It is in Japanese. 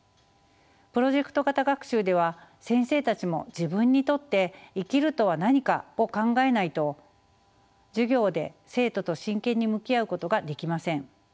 プロジェクト型学習では先生たちも「自分にとって生きるとは何か？」を考えないと授業で生徒と真剣に向き合うことができません。